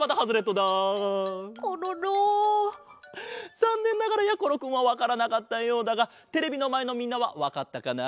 ざんねんながらやころくんはわからなかったようだがテレビのまえのみんなはわかったかな？